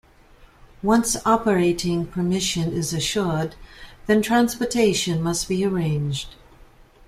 Once operating permission is assured, then transportation must be arranged.